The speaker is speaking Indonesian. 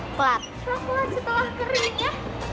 coklat setelah keringnya